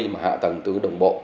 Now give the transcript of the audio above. ở những hạ tầng tương đồng bộ